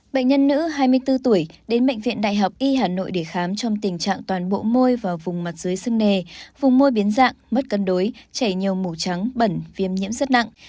bệnh nhân nữ hai mươi bốn tuổi đến bệnh viện đại học y hà nội để khám trong tình trạng toàn bộ môi vào vùng mặt dưới sưng nề vùng môi biến dạng mất cân đối chảy nhiều màu trắng bẩn viêm nhiễm rất nặng